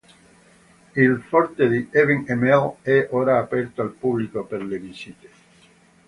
Il forte di Eben-Emael è ora aperto al pubblico per le visite.